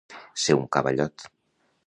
Ser un cavallot.